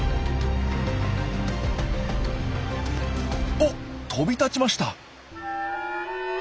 おっ飛び立ちました。